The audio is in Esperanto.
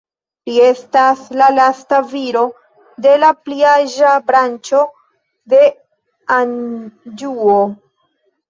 Li estas la lasta viro de la pliaĝa branĉo de Anĵuo.